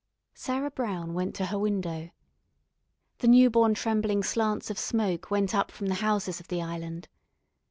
Sarah Brown went to her window. The newborn trembling slants of smoke went up from the houses of the island.